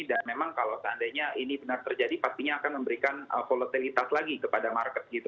dan memang kalau seandainya ini benar terjadi pastinya akan memberikan volatilitas lagi kepada market gitu